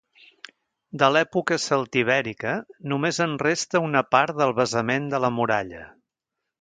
De l'època celtibèrica només en resta una part del basament de la muralla.